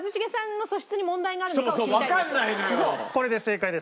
これで正解です。